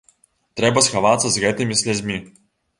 Трэба схавацца з гэтымі слязьмі.